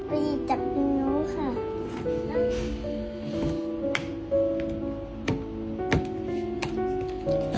ไปหยิบจากตรงนู้นค่ะ